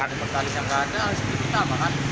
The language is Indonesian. kalau ada pertalite yang nggak ada harus dipikir pikir sama kan